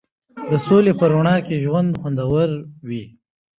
د سولې په رڼا کې ژوند خوندور وي.